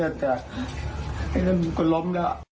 ถ้ามันก็ล้มก็ล้อม